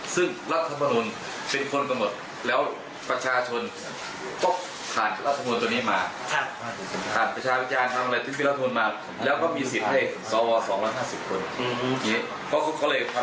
แต่พวกเราก็เลยเข้าใจว่าสองละห้าสิบทรววสัระทาน